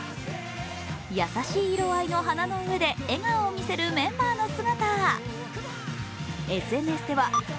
優しい色合いの花の上で笑顔を見せるメンバーの姿。